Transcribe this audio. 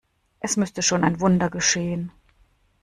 Es müsste schon ein Wunder geschehen.